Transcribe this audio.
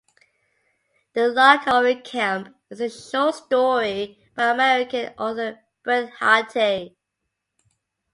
"The Luck of Roaring Camp" is a short story by American author Bret Harte.